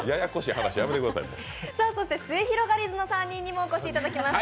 すゑひろがりずの３人にもお越しいただきました。